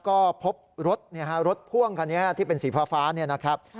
ก็พบรถพ่วงคันนี้ที่เป็นสีฟ้านะครับ